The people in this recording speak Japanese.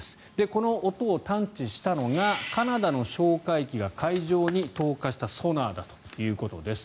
この音を探知したのがカナダの哨戒機が海上に投下したソナーだということです。